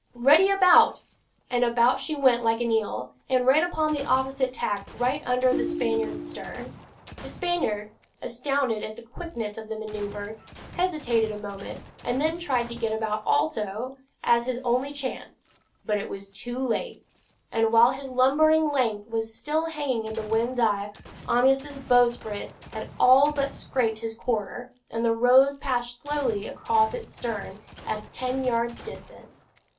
"Ready about!" and about she went like an eel, and ran upon the opposite tack right under the Spaniard's stern. The Spaniard, astounded at the quickness of the manoeuvre, hesitated a moment, and then tried to get about also, as his only chance; but it was too late, and while his lumbering length was still hanging in the wind's eye, Amyas' bowsprit had all but scraped his quarter, and the Rose passed slowly across his stern at ten yards' distance.